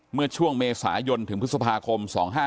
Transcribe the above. เมื่อช่วงเมษายนถึงพฤษภาคม๒๕๕๙